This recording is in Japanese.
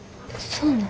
そうなん。